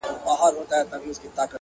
د کور مغول مو له نکلونو سره لوبي کوي-